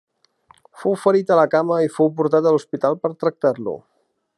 Fou ferit a la cama i fou portat a l'hospital per tractar-lo.